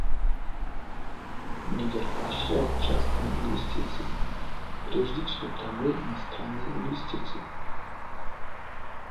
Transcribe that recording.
Нигер поощряет частные инвестиции, прежде всего прямые иностранные инвестиции.